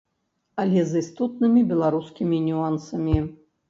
Але з істотнымі беларускімі нюансамі.